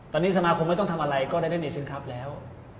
ตอนนี้สมาคมไม่ต้องทำอะไรก็ได้เล่นในเซ็นคลับแล้ว